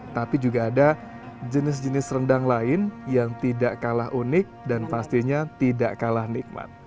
tapi juga ada jenis jenis rendang lain yang tidak kalah unik dan pastinya tidak kalah nikmat